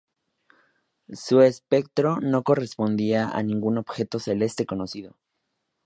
Su espectro no correspondía a ningún objeto celeste conocido.